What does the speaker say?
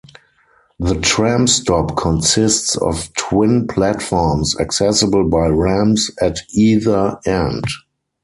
The tram stop consists of twin platforms accessible by ramps at either end.